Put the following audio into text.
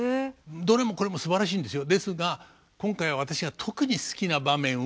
どれもこれもすばらしいんですよ。